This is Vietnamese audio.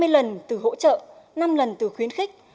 hai mươi lần từ hỗ trợ năm lần từ khuyến khích